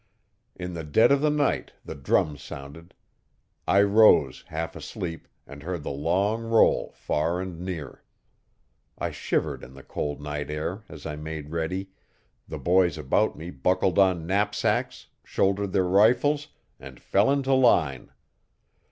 In the dead of the night the drums sounded. I rose, half asleep, and heard the long roll far and near. I shivered in the cold night air as I made ready, the boys about me buckled on knapsacks, shouldered their rifles, and fell into line.